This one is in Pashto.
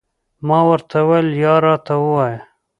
ما ورته وویل، یا راته ووایه.